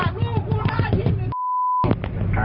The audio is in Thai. ส่งสะดวก